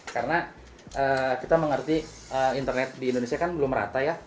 karena kita mengerti internet di indonesia kan belum rata ya